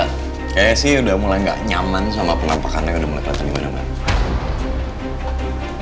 kayaknya sih udah mulai gak nyaman sama pengampakan yang udah mereka kena gimana mbak